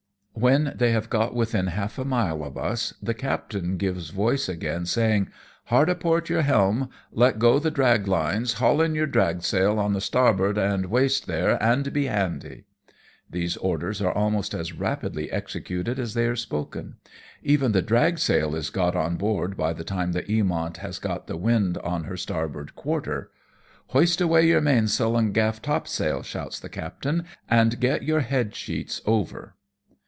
When they have got within half a mile of us the captain gives voice again, saying, " Hard a port your helm, let go the drag lines, haul in your drag sail on the starboard waist there, and be handy." These orders are almost as rapidly executed as they are spoken ; even the drag sail is got on board by the time the Eamont has got the wind on her starboard quarter. JV£ OUTMANCEUVRE THE LORCHAS. 119 " Hoist away your mainsail and gaff topsail," shouts the captain, "and get your head sheets over."